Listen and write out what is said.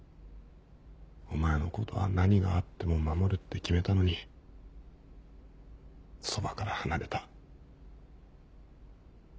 お前のことは何があっても守るって決めたのにそばから離れた。